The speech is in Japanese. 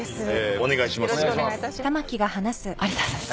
お願いします。